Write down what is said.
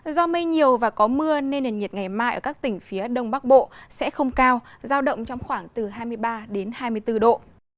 do mây nhiều và có mưa nên nền nhiệt ngày mai ở các tỉnh phía đông bắc bộ sẽ không cao giao động trong khoảng từ hai mươi ba đến hai mươi bốn độ